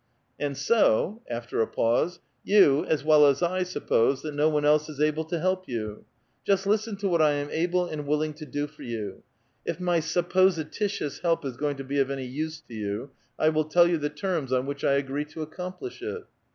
"And so," after a pause, "you, as well as I, suppose that no one else is able to help you ; just listen to what I am able and willing to do for you : if my supposititious help is going to be of any use to you, I will tell you the terms on which I agi'ee to accomplish it."